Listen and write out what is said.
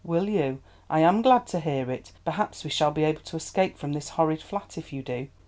"Will you? I am glad to hear it; perhaps we shall be able to escape from this horrid flat if you do.